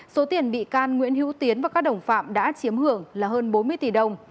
số tiền bị can nguyễn hữu tiến và các đồng phạm đã chiếm hưởng là hơn bốn mươi tỷ đồng